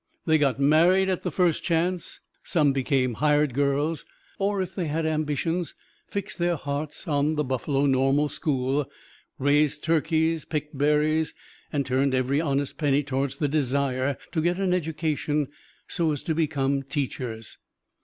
They got married at the first chance; some became "hired girls," or, if they had ambitions, fixed their hearts on the Buffalo Normal School, raised turkeys, picked berries, and turned every honest penny towards the desire to get an education so as to become teachers.